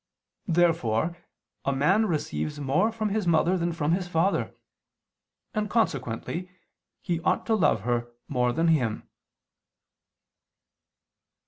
Therefore a man receives more from his mother than from his father: and consequently he ought to love her more than him.